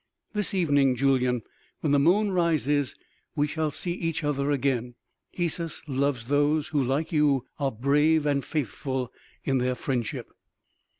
This evening, Julyan, when the moon rises we shall see each other again.... Hesus loves those who, like you, are brave and faithful in their friendship."